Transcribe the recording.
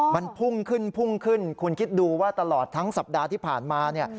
มันพุ่งขึ้นพุ่งขึ้นคุณคิดดูว่าตลอดทั้งสัปดาห์ที่ผ่านมาเนี่ย